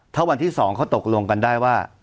ถ้าวันที่๒เขาตกลงกันได้ว่า